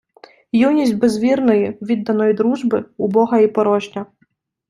Юність без вірної, відданої дружби — убога і порожня.